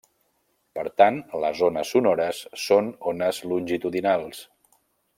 Per tant, les ones sonores són ones longitudinals.